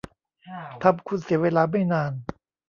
ทำคุณเสียเวลาไม่นาน